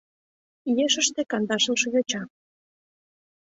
Ешыште кандашымше йоча.